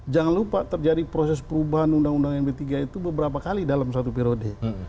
jangan lupa terjadi proses perubahan undang undang md tiga itu beberapa kali dalam satu periode